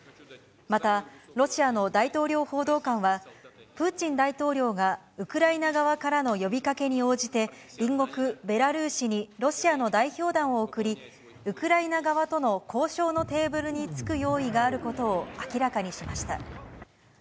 また、ロシアの大統領報道官は、プーチン大統領がウクライナ側からの呼びかけに応じて、隣国ベラルーシにロシアの代表団を送り、ウクライナ側との交渉のテーブルにつく用意があることを明らかにしました。